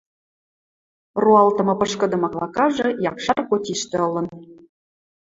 Роалтымы пышкыды маклакажы якшар котиштӹ ылын.